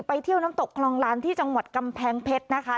เที่ยวน้ำตกคลองลานที่จังหวัดกำแพงเพชรนะคะ